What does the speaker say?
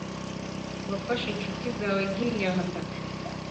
wafashe inshuti zawe nkimyanda